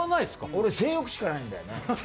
俺性欲しかないんだよね。